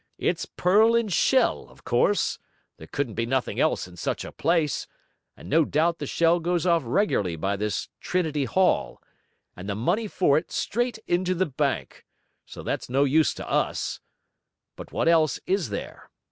It's pearl and shell, of course; there couldn't be nothing else in such a place, and no doubt the shell goes off regularly by this Trinity Hall, and the money for it straight into the bank, so that's no use to us. But what else is there?